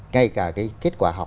ngay cả cái kết quả học